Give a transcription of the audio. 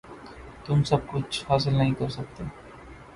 تم سب کچھ حاصل نہیں کر سکتے۔